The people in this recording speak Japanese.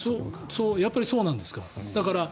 やっぱりそうなんですか。